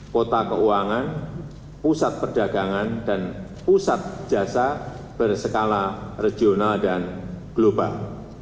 kota keuangan pusat perdagangan dan pusat jasa berskala regional dan global